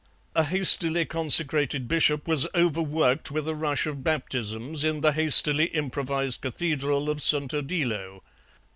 A hastily consecrated bishop was overworked with a rush of baptisms in the hastily improvised Cathedral of St. Odilo.